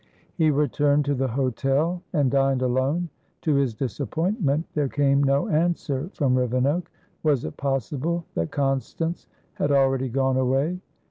He returned to the hotel, and dined alone. To his disappointment, there came no answer from Rivenoak. Was it possible that Constance had already gone away?